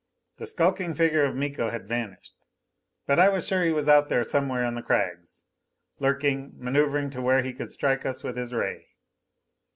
The skulking figure of Miko had vanished; but I was sure he was out there somewhere on the crags, lurking, maneuvering to where he could strike us with his ray.